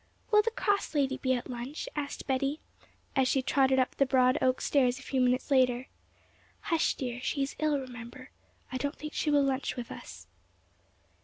'Will the cross lady be at lunch?' asked Betty, as she trotted up the broad oak stairs a few minutes later. 'Hush, dear; she is ill, remember. I don't think she will lunch with us.'